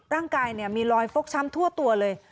ร่างกายมีรอยฟกช้ำทั่วตัวเลย